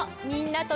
みんな。